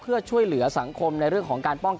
เพื่อช่วยเหลือสังคมในเรื่องของการป้อง